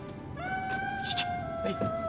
はい。